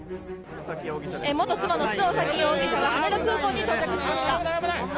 元妻の須藤早貴容疑者が、羽田空港に到着しました。